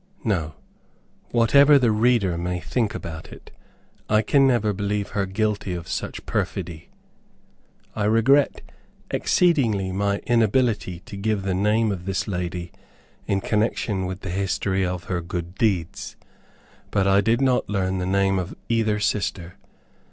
No; whatever the reader may think about it, I can never believe her guilty of such perfidy. I regret exceedingly my inability to give the name of this lady in connection with the history of her good deeds, but I did not learn the name of either sister.